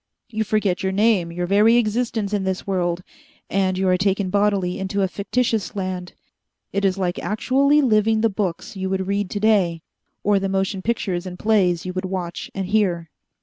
You forget your name, your very existence in this world, and you are taken bodily into a fictitious land. It is like actually living the books you would read today, or the motion pictures and plays you would watch and hear.